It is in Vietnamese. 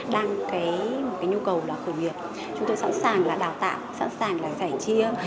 đang có nhu cầu khởi nghiệp chúng tôi sẵn sàng là đào tạo sẵn sàng là giải chiêm